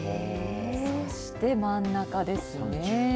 そして、真ん中です。